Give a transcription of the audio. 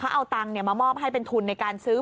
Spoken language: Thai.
เขาเอาตังค์มามอบให้เป็นทุนในการซื้อ